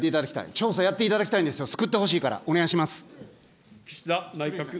調査やっていただきたいんですよ、救っていただきたいから、お願いします。